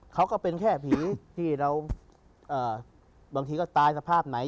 ก็เป็นแค่ผีที่เราบางทีก็ตายสภาพไหน